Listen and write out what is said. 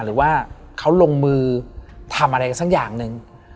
หรือว่าเขาลงมือทำอะไรกันสักอย่างหนึ่ง